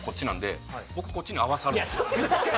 こっちに合わさるんですよ